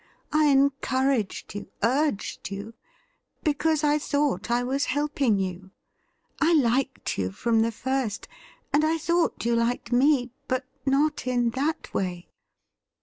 I encouraged you, urged vou, because I thought I was helping you. I liked you from the first, and I thought you liked me, but not in that way.